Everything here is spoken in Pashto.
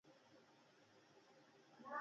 سعودي عربستان لپاره